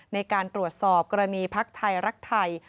ในการตรวจสอบกรณีพักไทยรักไทย